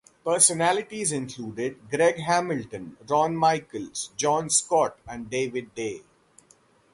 Personalities included Greg Hamilton, Ron Michaels, Jon Scott, and David Day.